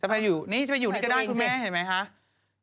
ไปอยู่นี่จะไปอยู่นี่ก็ได้คุณแม่เห็นไหมคะ